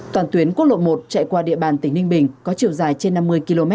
toàn tuyến quốc lộ một chạy qua địa bàn tỉnh ninh bình có chiều dài trên năm mươi km